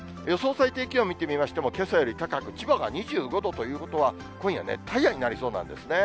最低気温見てみましても、けさより高く、千葉が２５度ということは、今夜、熱帯夜になりそうなんですね。